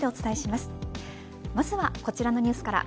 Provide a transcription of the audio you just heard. まずはこちらのニュースから。